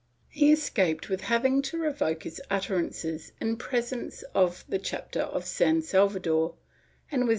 He escaped with having to revoke his utterances in presence of the chapter of San Salvador and with > MSS.